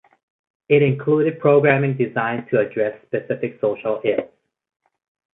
It included programming designed to address specific social ills.